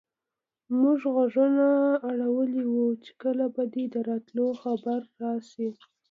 موږ غوږونه اړولي وو چې کله به دې د راتلو خبر راشي.